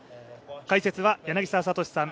解説は柳澤哲さん。